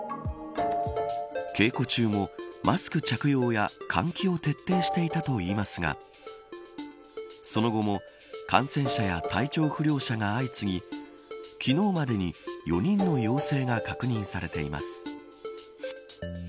稽古中もマスク着用や換気を徹底していたといいますがその後も感染者や体調不良者が相次ぎ昨日までに４人の陽性が確認されています。